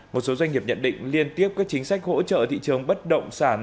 một số doanh nghiệp nhận định liên tiếp các chính sách hỗ trợ thị trường bất động sản